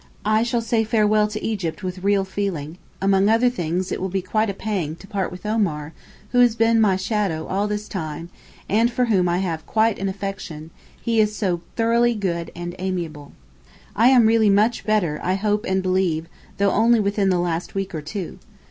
I shall say farewell to Egypt with real feeling; among other things, it will be quite a pang to part with Omar who has been my shadow all this time and for whom I have quite an affection, he is so thoroughly good and amiable. I am really much better I hope and believe, though only within the last week or two.